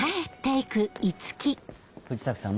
藤崎さん